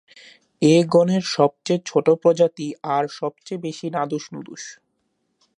এ গণের সবচেয়ে ছোট প্রজাতি আর সবচেয়ে বেশি নাদুস-নুদুস।